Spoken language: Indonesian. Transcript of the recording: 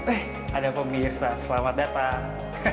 eh ada pemirsa selamat datang